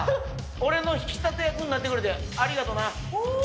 俺の引き立て役になってくれてありがとな。